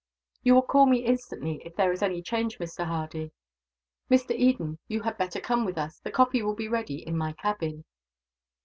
"You will call me, instantly, if there is any change, Mr. Hardy. "Mr. Eden, you had better come with us. The coffee will be ready, in my cabin."